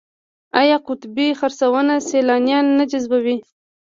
آیا قطبي خرسونه سیلانیان نه جذبوي؟